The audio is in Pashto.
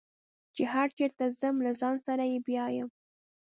چې هر چېرته ځم له ځان سره یې بیایم.